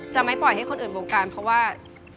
ไม่ปล่อยให้คนอื่นวงการเพราะว่า